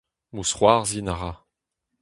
Mousc'hoarzhin a ra.